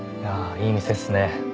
いい店っすね